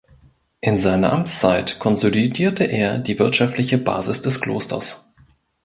In seiner Amtszeit konsolidierte er die wirtschaftliche Basis des Klosters.